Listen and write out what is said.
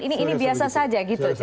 ini biasa saja gitu